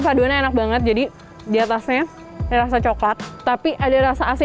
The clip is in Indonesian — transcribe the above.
langsung aja kita angkat kita taruh di piring yang tadi udah kita tata ya